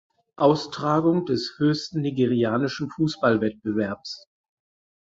Austragung des höchsten nigerianischen Fußballwettbewerbs.